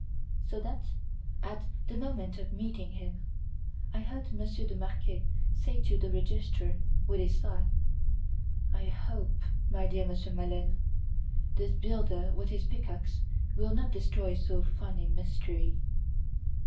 So that, at the moment of meeting him, I heard Monsieur de Marquet say to the Registrar with a sigh: "I hope, my dear Monsieur Maleine, this builder with his pickaxe will not destroy so fine a mystery."